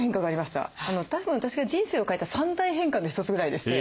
たぶん私が人生を変えた３大変化の一つぐらいでして。